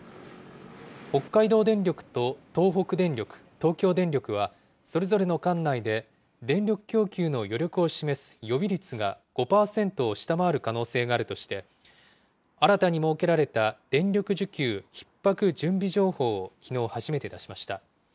北海道電力と東北電力、東京電力は、それぞれの管内で電力供給の余力を示す予備率が５％を下回る可能性があるとして、新たに設けられた電力需給ひっ迫準備情報をきのう初めて出しました。